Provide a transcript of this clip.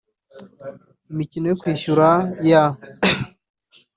Imikino yo kwishyura ya /